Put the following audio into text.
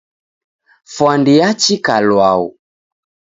Fwandi yachika lwau